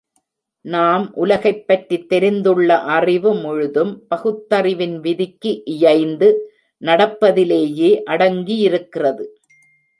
நாம் உலகைப் பற்றித் தெரிந்துள்ள அறிவு முழுதும் பகுத்தறிவின் விதிக்கு இயைந்து நடப்பதிலேயே அடங்கியிருக்கிறது.